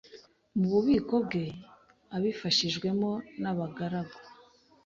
mu bubiko bwe abifashijwemo nabagaragu